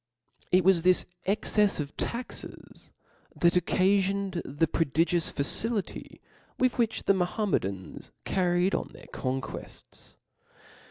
T T was tKis excefs of tatxes * that occafioned the •*• prodigious facility with which the Mahometan^ carried on their conquers.